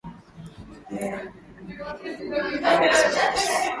Vyura ni viumbe vinavyopiga kelele sana haswa